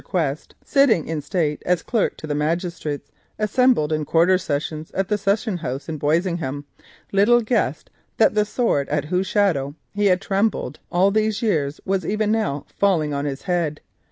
Quest, sitting in state as Clerk to the Magistrates assembled in Quarter Sessions at the Court House, Boisingham, little guessed that the sword at whose shadow he had trembled all these years was even now falling on his head.